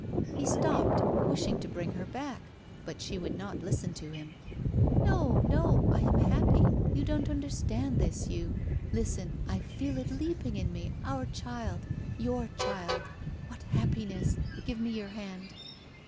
He stopped, wishing to bring her back. But she would not listen to him. "No, no. I am happy. You don't understand this, you. Listen! I feel it leaping in me our child your child what happiness. Give me your hand."